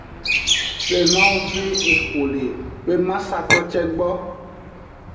Wemawo ve exo le wemasato ce gbo.